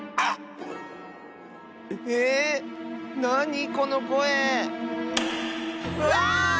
なにこのこえ⁉うわあっ！